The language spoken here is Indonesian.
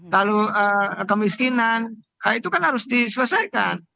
lalu kemiskinan itu kan harus diselesaikan